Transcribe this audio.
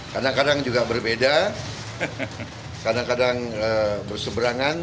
kadang kadang juga berbeda kadang kadang berseberangan